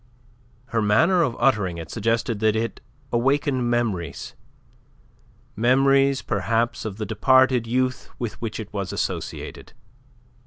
Her manner of uttering it suggested that it awakened memories, memories perhaps of the departed youth with which it was associated.